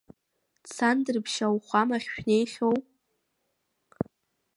Цандрыԥшь ауахәамахь шәнеихьоу?